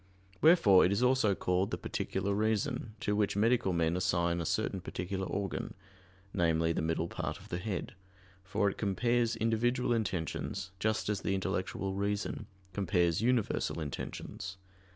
Wherefore it is also called the "particular reason," to which medical men assign a certain particular organ, namely, the middle part of the head: for it compares individual intentions, just as the intellectual reason compares universal intentions.